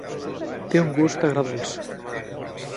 Té un gust agredolç.